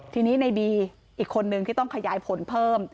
ทีนี้ในบีอีกคนนึงที่ต้องขยายผลเพิ่ม